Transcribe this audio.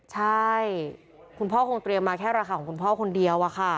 ใช่คุณพ่อคงเตรียมมาแค่ราคาของคุณพ่อคนเดียวอะค่ะ